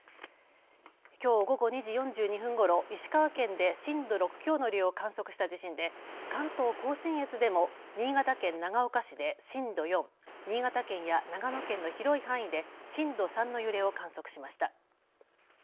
きょう午後２時４２分ごろ、石川県で震度６強の揺れを観測した地震で関東甲信越でも新潟県長岡市で震度４、新潟県や長野県の広い範囲で震度３の揺れを観測しました。